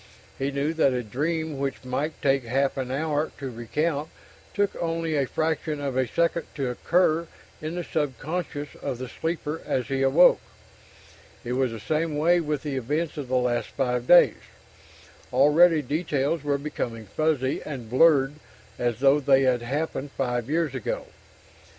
He knew that a dream which might take half an hour to recount took only a fraction of a second to occur in the sub conscious of the sleeper as he awoke. It was the same way with the events of the last five days; already details were becoming fuzzy and blurred as though they had happened five years ago.